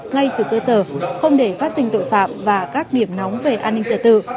ngay từ cơ sở không để phát sinh tội phạm và các điểm nóng về an ninh trật tự